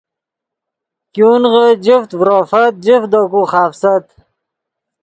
ګونغے جفت ڤروفت جفت دے کو خافست